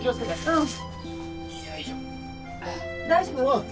うん。